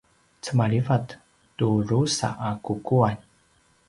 cemalivat tu drusa a kukuan